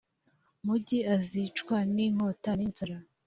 mugi azicwa n’inkota n’inzara